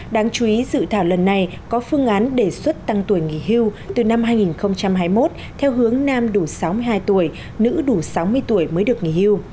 đáng chú ý dự thảo lần này có phương án đề xuất tăng tuổi nghỉ hưu từ năm hai nghìn hai mươi một theo hướng nam đủ sáu mươi hai tuổi nữ đủ sáu mươi tuổi mới được nghỉ hưu